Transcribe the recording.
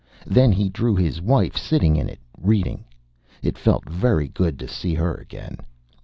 Then he drew his wife sitting in it, reading. It felt very good to see her again.